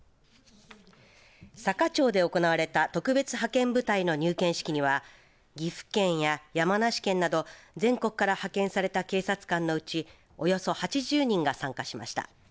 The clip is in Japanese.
坂町で行われた特別派遣部隊の入県式には岐阜県や山梨県など全国から派遣された警察官のうちおよそ８０人が参加しました。